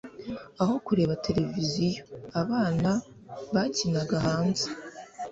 aho kureba televiziyo, abana bakinaga hanze